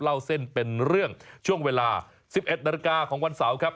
เล่าเส้นเป็นเรื่องช่วงเวลา๑๑นาฬิกาของวันเสาร์ครับ